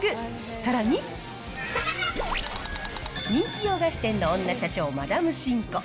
さらに、人気洋菓子店の女社長、マダムシンコ。